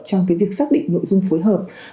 trong việc xác định nội dung phối hợp